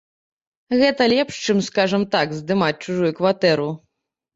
Гэта лепш чым, скажам так, здымаць чужую кватэру.